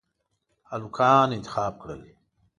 هلکان انتخاب کړل.